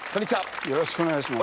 よろしくお願いします。